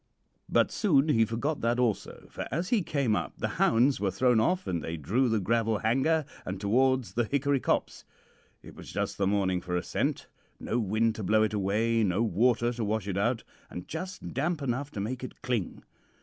"But soon he forgot that also, for as he came up the hounds were thrown off, and they drew the Gravel Hanger, and afterwards the Hickory Copse. It was just the morning for a scent no wind to blow it away, no water to wash it out, and just damp enough to make it cling.